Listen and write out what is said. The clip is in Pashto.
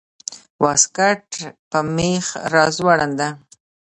واسکټ په مېخ راځوړند ده